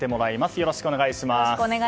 よろしくお願いします。